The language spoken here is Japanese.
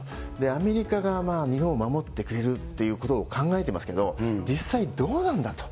アメリカが日本を守ってくれるということを考えてますけど、実際どうなんだと。